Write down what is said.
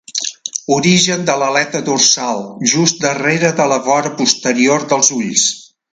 Origen de l'aleta dorsal just darrere de la vora posterior dels ulls.